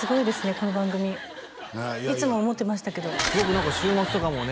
この番組いつも思ってましたけど週末とかもね